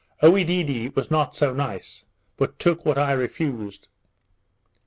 Oedidee was not so nice, but took what I refused.